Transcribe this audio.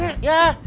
aduh aduh aduh